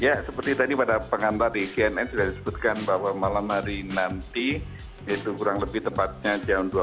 ya seperti tadi pada pengantar di cnn sudah disebutkan bahwa malam hari nanti itu kurang lebih tepatnya jam dua belas